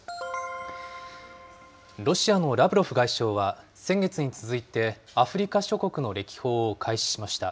ロシアのラブロフ外相は先月に続いて、アフリカ諸国の歴訪を開始しました。